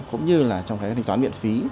cũng như là trong cái hành toán miễn phí